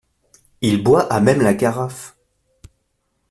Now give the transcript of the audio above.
Il boit à même la carafe.